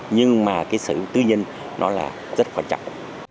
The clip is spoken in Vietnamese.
nhưng mà cái sở hữu tư nhân nó là rất quan trọng